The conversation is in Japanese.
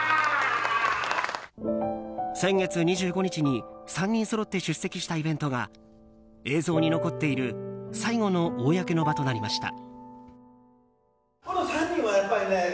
先月２５日に３人そろって出席したイベントが映像に残っている最後の公の場となりました。